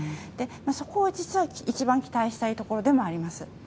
そこは実は一番期待したいところでもあります。